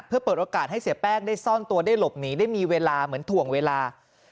เพื่อเปิดโอกาสให้เสียแป้งได้ซ่อนตัวได้หลบหนีได้มีเวลาเหมือนถ่วงเวลา